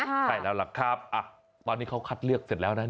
ใช่แล้วล่ะครับตอนนี้เขาคัดเลือกเสร็จแล้วนะ